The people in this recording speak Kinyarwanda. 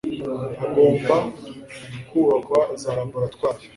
hagomba kubakwa za laboratwari